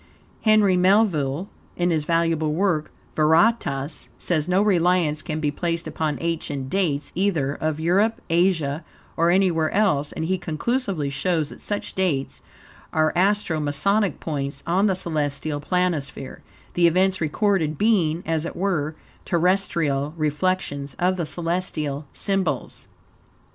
Henry Melville, in his valuable work, "Veritas," says no reliance can be placed upon ancient dates, either of Europe, Asia, or anywhere else, and he conclusively shows that such dates are Astro Masonic points on the celestial planisphere, the events recorded being, as it were, terrestrial reflections of the celestial symbols.